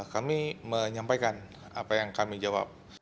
kami menyampaikan apa yang kami jawab